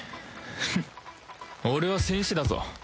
フン俺は戦士だぞ